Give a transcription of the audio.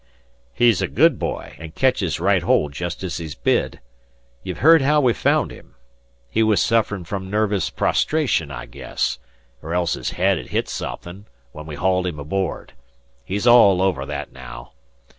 "He's a good boy, an' ketches right hold jest as he's bid. You've heard haow we found him? He was sufferin' from nervous prostration, I guess, 'r else his head had hit somethin', when we hauled him aboard. He's all over that naow.